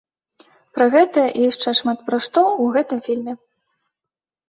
Пра гэта і яшчэ шмат пра што ў гэтым фільме.